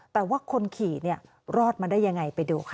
แต่ว่าคนขี่รอดมาได้ยังไงไปดูค่ะ